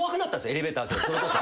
エレベーターそれこそ。